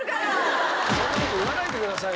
そんな事言わないでください。